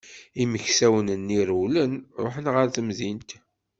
Imeksawen-nni rewlen, ṛuḥen ɣer temdint.